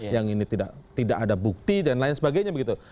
yang ini tidak ada bukti dan lain sebagainya begitu